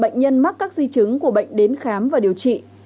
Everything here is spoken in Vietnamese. bệnh nhân mắc các di chứng của bệnh đến khám và điều trị